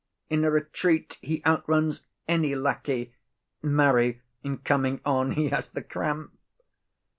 In a retreat he outruns any lackey; marry, in coming on he has the cramp.